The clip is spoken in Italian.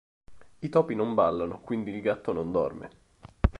I topi non ballano, quindi il gatto non dorme.